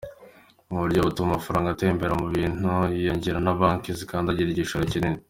Ubu buryo butuma amafaranga atembera mu bantu yiyongera, na Banki zikagira igishoro kinini.